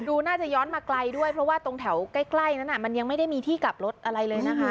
ดูน่าจะย้อนมาไกลด้วยเพราะว่าตรงแถวใกล้นั้นมันยังไม่ได้มีที่กลับรถอะไรเลยนะคะ